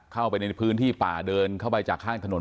เข้าไปในพื้นที่ป่าเดินเข้าไปจากข้างถนน